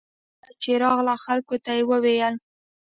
تر یوه ځایه چې راغله خلکو ته یې وویل.